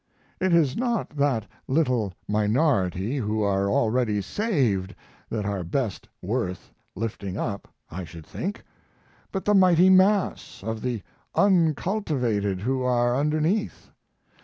It is not that little minority who are already saved that are best worth lifting up, I should think, but the mighty mass of the uncultivated who are underneath!